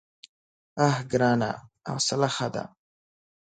_اه ګرانه! حوصله ښه ده.